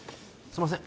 すいません